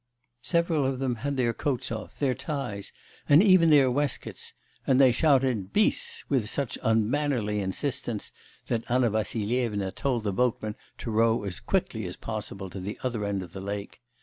Several of them had their coats off, their ties, and even their waistcoats; and they shouted 'bis!' with such unmannerly insistence that Anna Vassilyevna told the boatmen to row as quickly as possible to the other end of the lake.